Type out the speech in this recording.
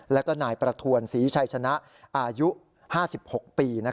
แล้วก็นายประทวนศรีชัยชนะอายุ๕๖ปี